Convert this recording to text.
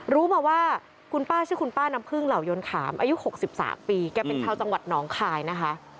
รู้มาว่าคุณป้าชื่อคุณป้าน้ำพึ่งเหล่ายนขามอายุ๖๓ปีแกเป็นชาวจังหวัดน้องคายนะคะ